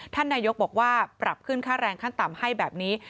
ท่านนายกบอกว่าปรับขึ้นค่าแรงขั้นต่ำให้แบบนี้